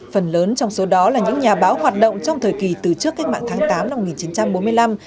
phần lớn trong số đó là những nhà báo hoạt động trong thời kỳ từ trước cách mạng tháng tám năm một nghìn chín trăm bốn mươi năm